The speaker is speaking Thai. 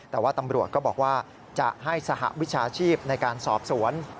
แต่ว่าตำรวจก็บอกว่าจะให้สหวิชาชีพในการสอบสวน